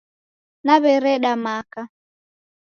Naw'ereda maka